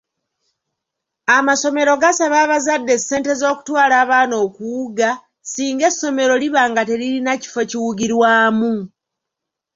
Amasomero gasaba abazadde ssente z’okutwala abaana okuwuga singa essomero liba nga teririna kifo kiwugirwamu.